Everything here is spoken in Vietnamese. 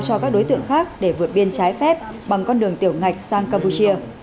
cho các đối tượng khác để vượt biên trái phép bằng con đường tiểu ngạch sang campuchia